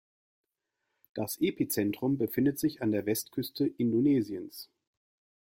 Das Epizentrum befindet sich an der Westküste Indonesiens.